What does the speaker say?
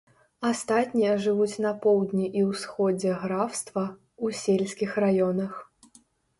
Астатнія жывуць на поўдні і ўсходзе графства, у сельскіх раёнах.